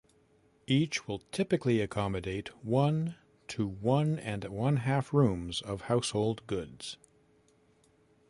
Each will typically accommodate one to one-and-one-half rooms of household goods.